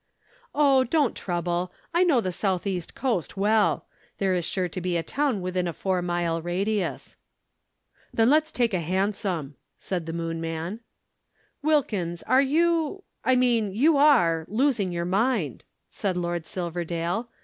"Oh, don't trouble. I know the Southeast coast well. There is sure to be a town within a four mile radius." "Then let us take a hansom," said the Moon man. "Wilkins, are you I mean you are losing your head," said Lord Silverdale.